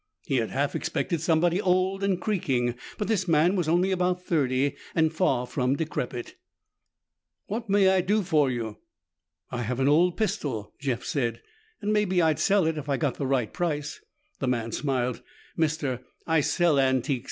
He had half expected somebody old and creaking, but this man was only about thirty and far from decrepit. "What may I do for you?" "I have an old pistol," Jeff said, "and maybe I'd sell it if I got the right price." The man smiled. "Mister, I sell antiques.